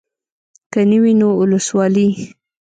که نه وي نو اولسوالي.